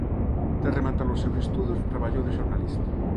Tras rematar os seus estudos traballou de xornalista.